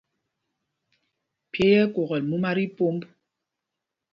Pye ɛ́ ɛ́ kwokɛl múma tí pômb.